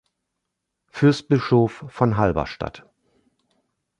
Fürstbischof von Halberstadt.